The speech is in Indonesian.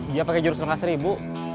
dia pakai jurus lengah seribu